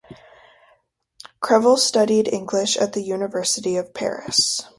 Crevel studied English at the University of Paris.